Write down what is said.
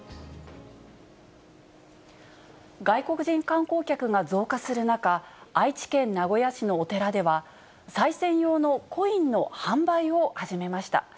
外国人観光客が増加する中、愛知県名古屋市のお寺では、さい銭用のコインの販売を始めました。